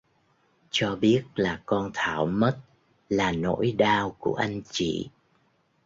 Cho biết là con Thảo mất là nỗi đau của anh chị